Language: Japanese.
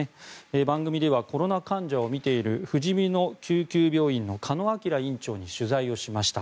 番組ではコロナ患者を診ているふじみの救急病院の鹿野晃院長に取材をしました。